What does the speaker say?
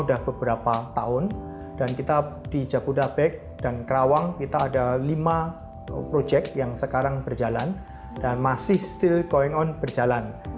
sudah beberapa tahun dan kita di jabodetabek dan kerawang kita ada lima proyek yang sekarang berjalan dan masih still going on berjalan